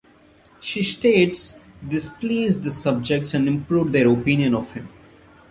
She states this pleased his subjects and improved their opinion of him.